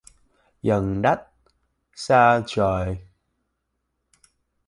Gần đất xa trời